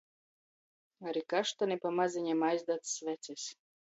Ari kaštani pamazeņam aizdadz svecis.